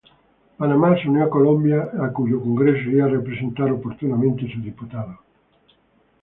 Panamá se unió a Colombia, a cuyo Congreso iría a representar oportunamente su diputado.